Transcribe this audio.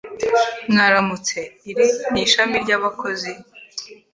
Mwaramutse, iri ni ishami ryabakozi?